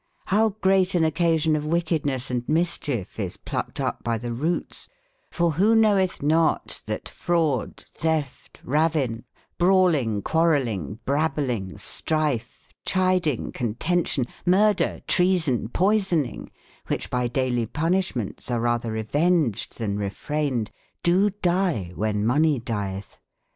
f)ow great an occa sion of wickedness miscbiefe is plucked up by tbe rotesj^f or wbo knowetb not, tbat fraud, tbef t, ravine, brauling, qua relling, brabling, striffe, cbiding, con ten/ tion, murder, treason, poisoning, wbicb by daily punisbmentes are ratber re venged tben refrained, do dye wben mo/ ney dietb?